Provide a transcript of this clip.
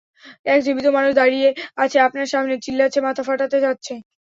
এক জীবিত মানুষ দাড়িয়ে আছে আপনার সামনে, চিল্লাচ্ছে, মাথা ফাটাতে যাচ্ছে।